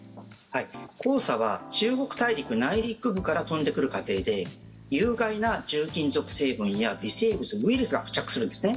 黄砂は中国大陸内陸部から飛んでくる過程で有害な重金属成分や微生物ウイルスが付着するんですね。